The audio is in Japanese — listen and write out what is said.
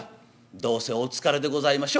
どうせお疲れでございましょ。